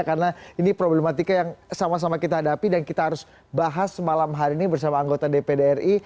karena ini problematika yang sama sama kita hadapi dan kita harus bahas malam hari ini bersama anggota dpdri